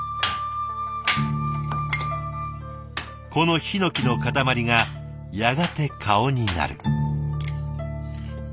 このヒノキの塊がやがて顔になる。